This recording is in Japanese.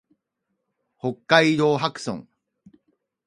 北海道泊村